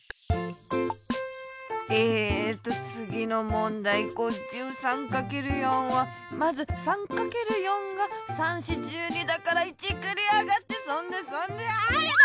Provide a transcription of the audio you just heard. えとつぎのもんだい５３×４はまず３×４が３×４＝１２だから１くりあがってそんでそんであやだ！